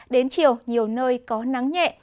đến chiều nhiều nơi có nắng nhẹ